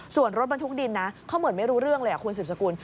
ส่วนรถบรรทุกดินนะเขาเหมือนไม่รู้เรื่องเลยคุณสืบสกุล